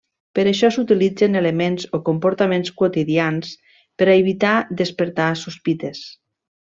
Per això s'utilitzen elements o comportaments quotidians per a evitar despertar sospites.